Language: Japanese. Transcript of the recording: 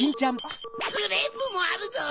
クレープもあるぞ！